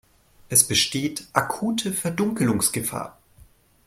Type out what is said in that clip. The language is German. Es besteht akute Verdunkelungsgefahr.